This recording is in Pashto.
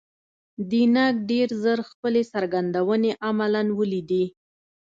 دینګ ډېر ژر خپلې څرګندونې عملاً ولیدې.